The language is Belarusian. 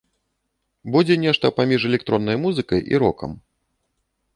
Будзе нешта паміж электроннай музыкай і рокам.